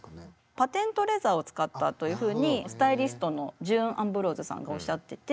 パテントレザーを使ったというふうにスタイリストのジュン・アンブローズさんがおっしゃってて。